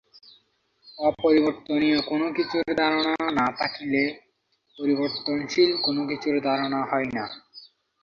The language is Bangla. অপরিবর্তনীয় কোন কিছুর ধারণা না থাকিলে পরিবর্তনশীল কোন কিছুর ধারণা হয় না।